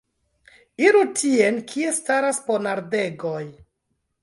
Iru tien, kie staras ponardegoj!